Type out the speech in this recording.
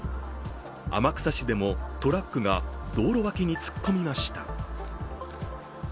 天草市でもトラックが道路脇に突っ込みました。